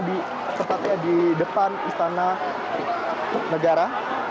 sepertinya di depan istana negara